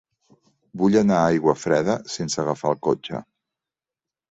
Vull anar a Aiguafreda sense agafar el cotxe.